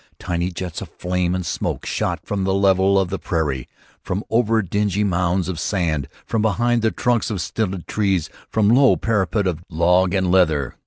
Tiny jets of flame and smoke shot from the level of the prairie, from over dingy mounds of sand, from behind the trunks of stunted trees, from low parapet of log or leather.